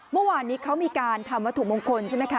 เมื่อวานนี้เขามีการทำวัตถุมงคลใช่ไหมคะ